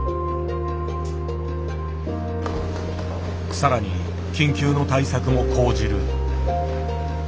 更に緊急の対策も講じる。